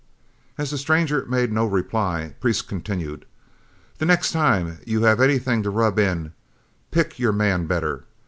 As the stranger made no reply, Priest continued, "The next time you have anything to rub in, pick your man better.